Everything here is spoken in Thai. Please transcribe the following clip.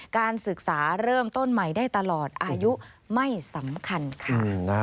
การศึกษาเริ่มต้นใหม่ได้ตลอดอายุไม่สำคัญค่ะ